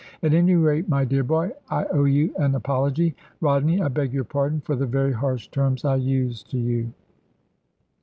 At any rate, my dear boy, I owe you an apology. Rodney, I beg your pardon for the very harsh terms I used to you."